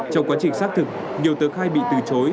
trong quá trình xác thực nhiều tờ khai bị từ chối